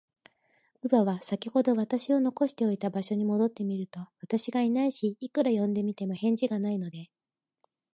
乳母は、さきほど私を残しておいた場所に戻ってみると、私がいないし、いくら呼んでみても、返事がないので、